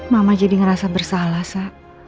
mama jadi ngerasa bersalah sah